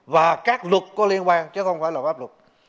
và các luật có liên quan chứ không phải là pháp luật